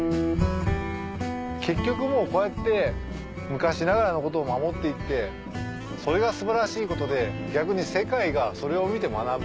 結局こうやって昔ながらのことを守っていってそれが素晴らしいことで逆に世界がそれを見て学ぶ。